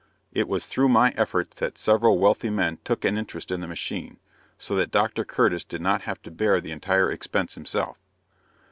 "It was through my efforts that several wealthy men took an interest in the machine, so that Dr. Curtis did not have to bear the entire expense himself."